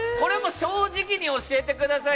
正直に教えてくださいね。